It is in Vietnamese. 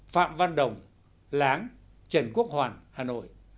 phạm văn đồng láng trần quốc hoàng hà nội